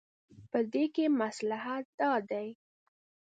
په دې کې مصلحت دا دی.